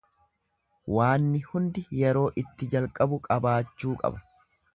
Waanni hundi yeroo itti jalqabu qabaachuu qaba.